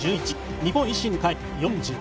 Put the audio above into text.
日本維新の会、４５。